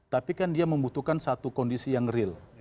tapi kan dia membutuhkan satu kondisi yang real